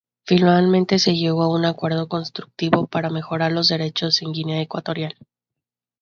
Finalmente se llegó a un acuerdo constructivo para mejorar los derechos en Guinea Ecuatorial.